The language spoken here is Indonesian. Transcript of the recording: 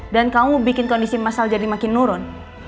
dan kamu bikin kondisi mas al jadi makin nurun